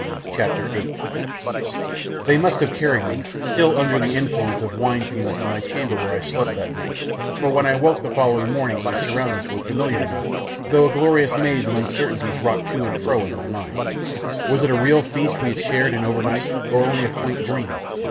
CHAPTER VIII They must have carried me, still under the influence of wine fumes, to the chamber where I slept that night, for when I woke the following morning my surroundings were familiar enough, though a glorious maze of uncertainties rocked to and fro in my mind. Was it a real feast we had shared in overnight, or only a quaint dream?